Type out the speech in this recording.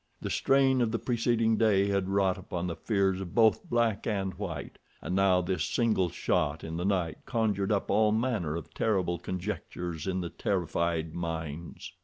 The strain of the preceding day had wrought upon the fears of both black and white, and now this single shot in the night conjured all manner of terrible conjectures in their terrified minds.